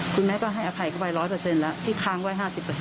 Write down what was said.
คุณแม่ก็ให้อภัยเข้าไป๑๐๐แล้วที่ค้างไว้๕๐